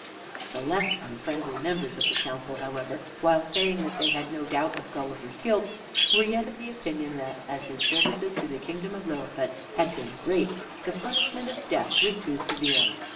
The less unfriendly members of the council, however, while saying that they had no doubt of Gulliver's guilt, were yet of the opinion that, as his services to the kingdom of Lilliput had been great, the punishment of death was too severe.